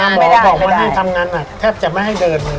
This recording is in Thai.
เจ็ดสิบวันออกมาหมอบอกว่าที่ทำงานอ่ะแทบจะไม่ให้เดินเลย